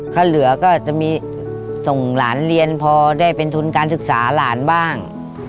ถ้าเหลือก็จะมีส่งหลานเรียนพอได้เป็นทุนการศึกษาหลานบ้าง